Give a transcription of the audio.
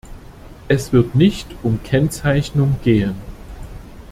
Es wird nicht um Kennzeichnung gehen.